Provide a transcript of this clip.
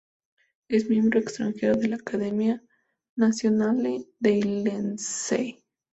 Es miembro extranjero de la Accademia Nazionale dei Lincei.